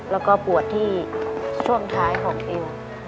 แล้วก็ปวดที่ช่วงท้ายของเอว